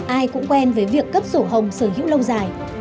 ai cũng quen với việc cấp sổ hồng sở hữu lâu dài